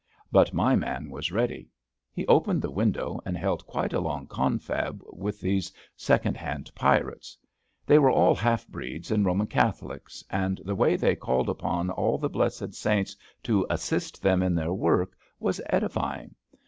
But my man was ready. He opened the window and held quite a long confab with these second hand pirates. They were all half breeds and Eo man Catholics, and the way they called upon all the blessed saints to assist them in their work was edifying.